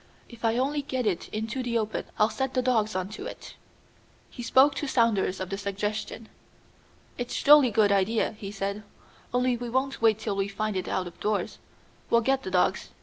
"If I only get it into the open I'll set the dogs on to it." He spoke to Saunders of the suggestion. "It's jolly good idea," he said; "only we won't wait till we find it out of doors. We'll get the dogs.